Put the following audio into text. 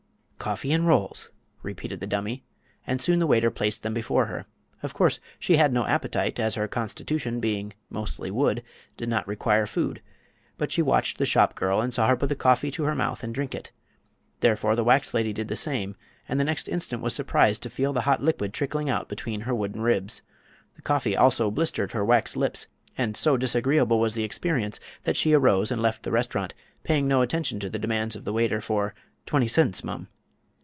"Coffee 'n' rolls!" repeated the dummy, and soon the waiter placed them before her. Of course she had no appetite, as her constitution, being mostly wood, did not require food; but she watched the shop girl, and saw her put the coffee to her mouth and drink it. Therefore the wax lady did the same, and the next instant was surprised to feel the hot liquid trickling out between her wooden ribs. The coffee also blistered her wax lips, and so disagreeable was the experience that she arose and left the restaurant, paying no attention to the demands of the waiter for "20 cents, mum."